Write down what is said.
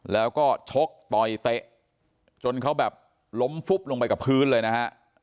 แล้วก็ชกต่อยเตะจนเขาแบบล้มฟุบลงไปกับพื้นเลยนะฮะ